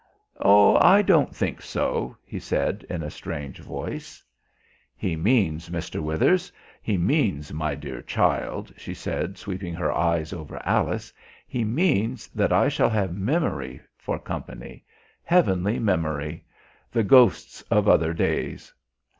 "Oh, I don't think so;" he said in a strange voice. "He means, Mr. Withers, he means, my dear child," she said, sweeping her eyes over Alice, "he means that I shall have memory for company heavenly memory the ghosts of other days.